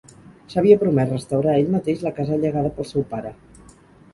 S'havia promès restaurar ell mateix la casa llegada pel seu pare.